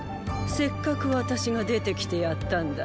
せっかく私が出てきてやったんだ。